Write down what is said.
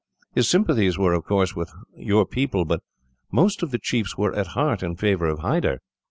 His sympathies were, of course, with your people; but most of the chiefs were, at heart, in favour of Hyder.